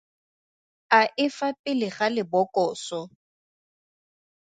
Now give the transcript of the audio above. A e fa pele ga lebokoso?